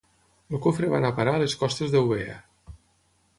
El cofre va anar a parar a les costes d'Eubea.